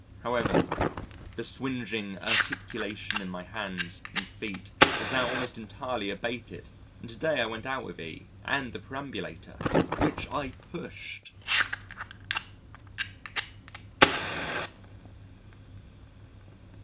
However, the swingeing urtication in my hands and feet has now almost entirely abated and to day I went out with E and the perambulator, which I pushed.